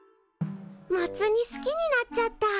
モツ煮好きになっちゃった。